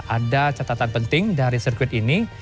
ada catatan penting dari sirkuit ini